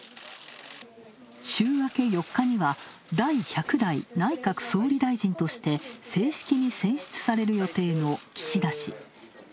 週明け４日には、第１００代内閣総理大臣として正式に選出される予定の岸田氏。